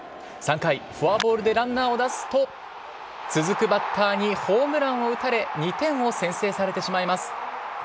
３回、フォアボールでランナーを出すと、続くバッターにホームランを打たれ、２点を先制されてしまいます。